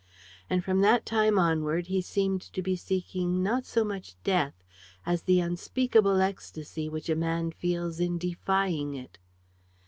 And from that time onward he seemed to be seeking not so much death as the unspeakable ecstasy which a man feels in defying it.